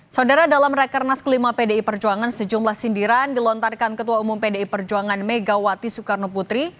saudara dalam rakernas kelima pdi perjuangan sejumlah sindiran dilontarkan ketua umum pdi perjuangan megawati soekarno putri